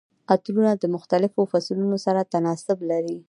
عطرونه د مختلفو فصلونو سره تناسب لري.